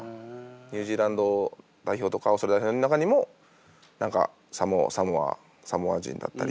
ニュージーランド代表とかオーストラリア代表の中にも何かサモア人だったり。